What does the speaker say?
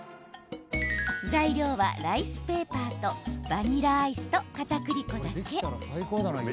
材料はライスペーパーとバニラアイスと、かたくり粉だけ。